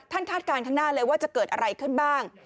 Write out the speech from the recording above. คาดการณ์ข้างหน้าเลยว่าจะเกิดอะไรขึ้นบ้าง